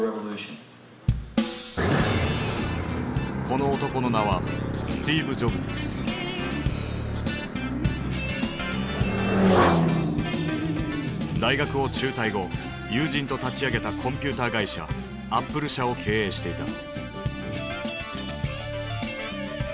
この男の名は大学を中退後友人と立ち上げたコンピューター会社アップル社を経営していた。